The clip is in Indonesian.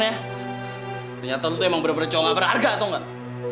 ternyata lo tuh emang bener bener cowok gak berharga tau gak